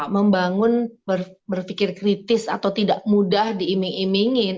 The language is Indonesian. membangun berpikir kritis atau tidak mudah diiming imingin